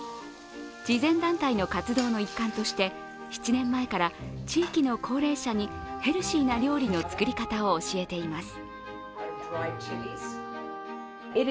慈善団体の活動の一環として７年前から地域の高齢者にヘルシーな料理の作り方を教えています。